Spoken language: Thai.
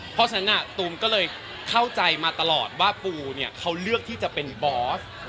เพราะฉะนั้นตูมก็เลยเข้าใจมาตลอดว่าปูเนี่ยเขาเลือกที่จะเป็นบอส